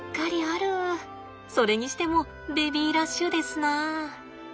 それにしてもベビーラッシュですな。